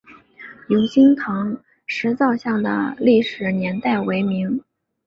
永兴堂石造像的历史年代为明。